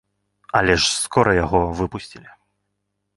Але ж скора яго выпусцілі.